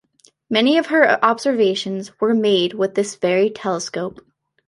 Many of her observations were made with this very telescope.